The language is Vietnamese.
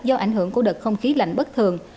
do ảnh hưởng của đợt không khí lạnh bất thường